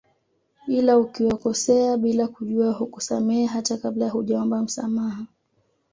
Ila ukiwakosea bila kujua hukusamehe hata kabla hujaomba msamaha